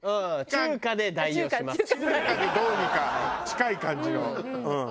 中華でどうにか近い感じの。